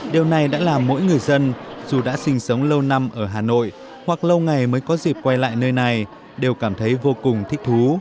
điều này đã làm mỗi người dân dù đã sinh sống lâu năm ở hà nội hoặc lâu ngày mới có dịp quay lại nơi này đều cảm thấy vô cùng thích thú